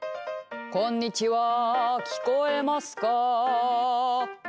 「こんにちは聞こえますか」